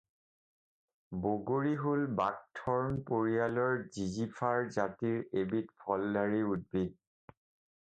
বগৰী হ'ল বাকথৰ্ন পৰিয়ালৰ যিযিফাছ জাতিৰ এবিধ ফলধাৰী উদ্ভিদ।